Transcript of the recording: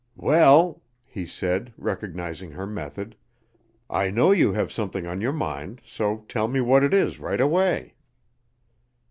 "Well," he said, recognizing her method, "I know you have something on your mind; so tell me what it is right away!"